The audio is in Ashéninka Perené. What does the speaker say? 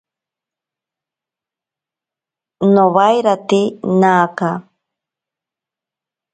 Nowairate naka.